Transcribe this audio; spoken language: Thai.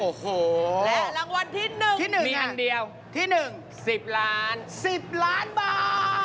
โอ้โหและรางวัลที่๑ที่๑มีอันเดียวที่๑๑๐ล้าน๑๐ล้านบาท